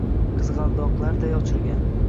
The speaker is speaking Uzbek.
Qizg’aldoqlarday ochilgan